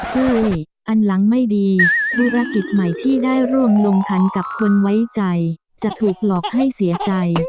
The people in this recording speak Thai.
เฮ้ยอันหลังไม่ดีธุรกิจใหม่ที่ได้ร่วมลงทันกับคนไว้ใจจะถูกหลอกให้เสียใจ